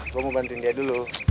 gue mau bantuin dia dulu